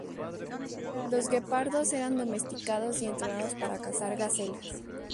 Los guepardos eran domesticados y entrenados para cazar gacelas.